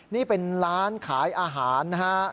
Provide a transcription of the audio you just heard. นี่เป็นร้านขายอาหารนะฮะ